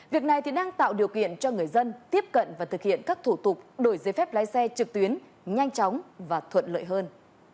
việc này thì đang tạo điều kiện cho người dân tiếp cận và thực hiện các thủ tục đổi giấy phép lái xe trực tuyến nhanh chóng và thuận lợi hơn